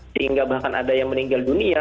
sehingga bahkan ada yang meninggal dunia